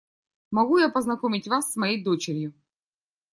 Могу я познакомить вас с моей дочерью?